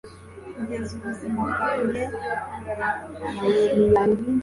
kugeza ubuzima bwanjye burashize